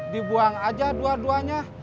dibuang aja dua duanya